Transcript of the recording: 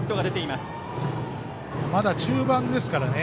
まだ中盤ですからね。